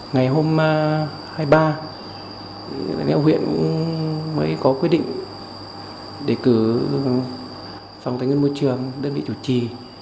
ngày hôm hai mươi ba lãnh đạo huyện mới có quyết định để cử phòng tài nguyên môi trường đơn vị chủ trì